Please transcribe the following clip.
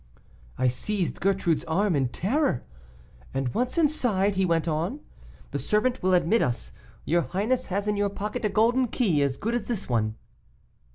I seized Gertrude's arm in terror. 'And once inside' he went on, 'the servant will admit us; your highness has in your pocket a golden key as good as this one.